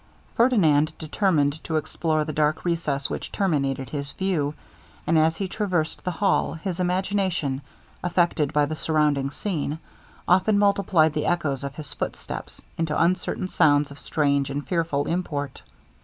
Ferdinand determined to explore the dark recess which terminated his view, and as he traversed the hall, his imagination, affected by the surrounding scene, often multiplied the echoes of his footsteps into uncertain sounds of strange and fearful import.